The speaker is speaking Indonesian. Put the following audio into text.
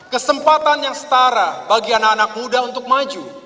kesempatan yang setara bagi anak anak muda untuk maju